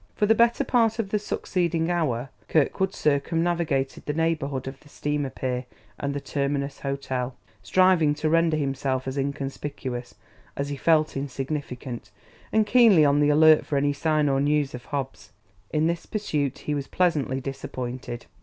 For the better part of the succeeding hour Kirkwood circumnavigated the neighborhood of the steamer pier and the Terminus Hôtel, striving to render himself as inconspicuous as he felt insignificant, and keenly on the alert for any sign or news of Hobbs. In this pursuit he was pleasantly disappointed.